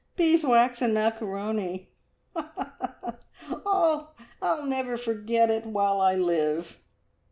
Beeswax and macaroni! Oh oh I'll never forget it while I live!"